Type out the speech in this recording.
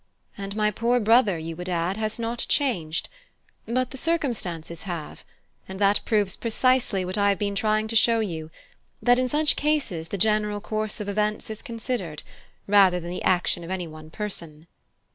"And my poor brother, you would add, has not changed; but the circumstances have, and that proves precisely what I have been trying to show you: that, in such cases, the general course of events is considered, rather than the action of any one person."